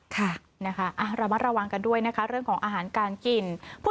เรามาระวังกันด้วยเรื่องของอาหารการกิน